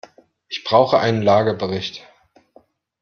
Ich brauche einen Lagebericht.